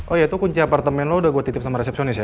oh iya tuh kunci apartemen lu udah gua titip sama resepsionis ya